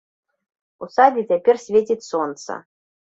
У садзе цяпер свеціць сонца.